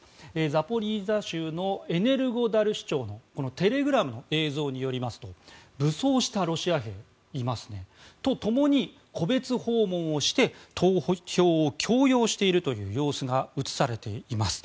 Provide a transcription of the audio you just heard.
ザポリージャ州のエネルゴダル市長のテレグラムの映像によりますと武装したロシア兵、いますね。と共に、戸別訪問をして投票を強要している様子が映されています。